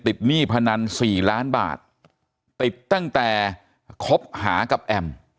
หนี้พนันสี่ล้านบาทติดตั้งแต่คบหากับแอม